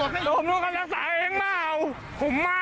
ผมรู้การรักษาเองเปล่า